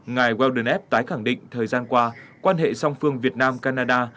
ngài weldon f tái khẳng định thời gian qua quan hệ song phương việt nam canada